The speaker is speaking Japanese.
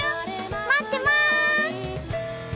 待ってます！